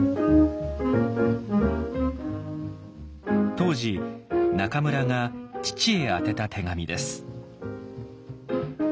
当時中村が父へ宛てた手紙です。